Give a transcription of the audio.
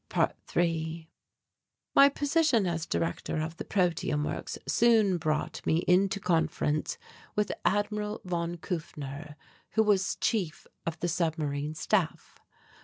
~3~ My position as director of the protium works soon brought me into conference with Admiral von Kufner who was Chief of the Submarine Staff.